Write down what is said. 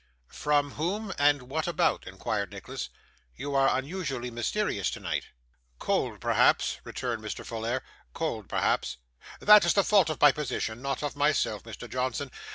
'From whom and what about?' inquired Nicholas. 'You are unusually mysterious tonight.' 'Cold, perhaps,' returned Mr. Folair; 'cold, perhaps. That is the fault of my position not of myself, Mr. Johnson.